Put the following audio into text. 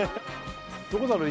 どこだろ？